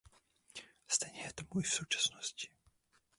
Stejně je tomu i v současnosti.